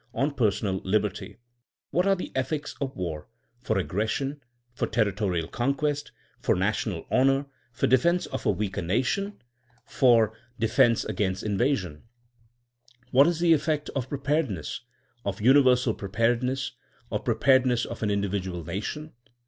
on personal liberty? What are the ethics of war? for ag gression? for territorial conquest? for national honor*'? for defense of a weaker nation? for de THINKING AS A 80IEN0E 215 fense against invasion! What is the effect of preparedness! of universal preparedness! of preparedness of an individual nation!